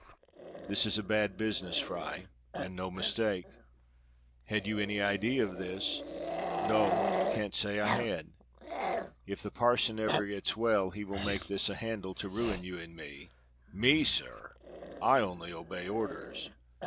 "This is a bad business, Fry." "And no mistake." "Had you any idea of this?" "No! can't say I had." "If the parson ever gets well he will make this a handle to ruin you and me." "Me, sir! I only obey orders."